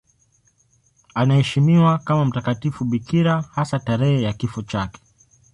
Anaheshimiwa kama mtakatifu bikira, hasa tarehe ya kifo chake.